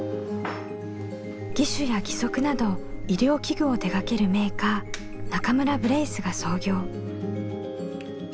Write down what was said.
義手や義足など医療器具を手がけるメーカー中村ブレイスが創業。